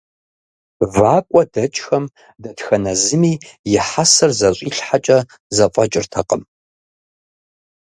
ВакӀуэ дэкӀхэм дэтхэнэ зыми и хьэсэр зэщӀилъхьакӀэ зэфӀэкӀыртэкъым.